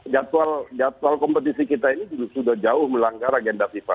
jadwal kompetisi kita ini sudah jauh melanggar agenda fifa